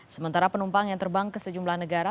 sementara penumpang yang terbang ke sejumlah negara